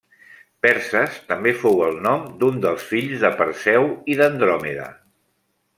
Perses també fou el nom d'un dels fills de Perseu i d'Andròmeda.